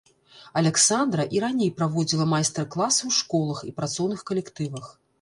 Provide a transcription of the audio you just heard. Аляксандра і раней праводзіла майстар-класы ў школах і працоўных калектывах.